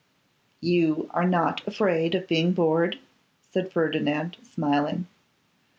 'You are not afraid of being bored,' said Ferdinand, smiling.